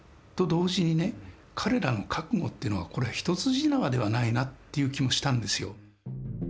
と同時にね彼らの覚悟っていうのはこれは一筋縄ではないなっていう気もしたんですよ。